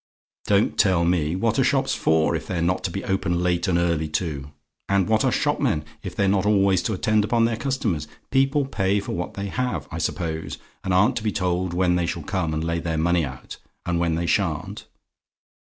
"Don't tell me! What are shops for, if they're not to be open late and early too? And what are shopmen, if they're not always to attend upon their customers? People pay for what they have, I suppose, and aren't to be told when they shall come and lay their money out, and when they sha'n't?